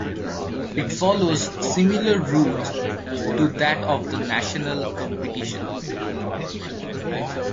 It follows similar rules to that of the national competition.